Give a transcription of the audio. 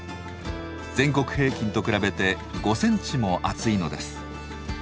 全国平均と比べて５センチも厚いのです。